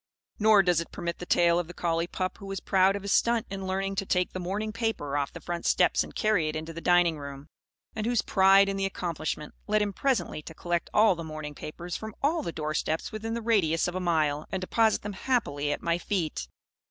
Nor does it permit the tale of the collie pup who was proud of his stunt in learning to take the morning paper off the front steps and carry it into the dining room; and whose pride in the accomplishment led him presently to collect all the morning papers from all the door steps within the radius of a mile and deposit them happily at my feet.